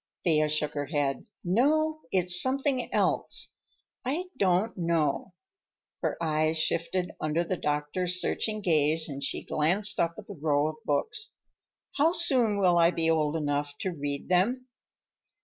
Thea shook her head. "No, it's something else. I don't know." Her eyes shifted under the doctor's searching gaze and she glanced up at the row of books. "How soon will I be old enough to read them?"